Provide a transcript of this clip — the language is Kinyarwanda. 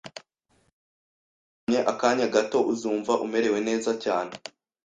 Niba uryamye akanya gato, uzumva umerewe neza cyane.